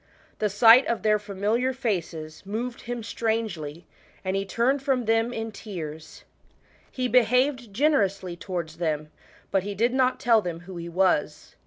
The sight of their familiar faces moved hun strangely, and he turned from them in tears. He behaved generously towards them, but he did not tell them who he was.